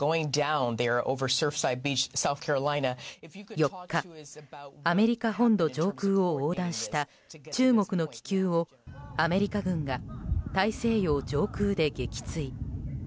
４日、アメリカ本土上空を横断した中国の気球をアメリカ軍が大西洋上空で撃墜。